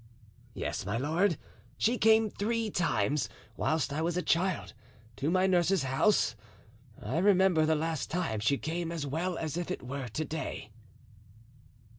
"Yes, my lord; she came three times, whilst I was a child, to my nurse's house; I remember the last time she came as well as if it were to day."